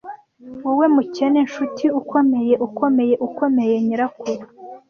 "Wowe mukene, nshuti, ukomeye, ukomeye, ukomeye, nyirakuru!"